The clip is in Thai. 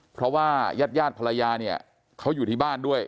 เพราะว่ายาดภรรยาเนี่ยเขาอยู่ที่บ้านด้วย